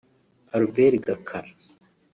Albert Gakara